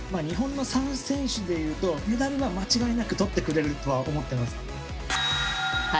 日本の３選手でいうと、メダルは間違いなくとってくれるとは思ってます。